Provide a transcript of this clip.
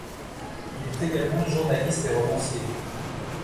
Il est également journaliste et romancier.